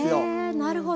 なるほど。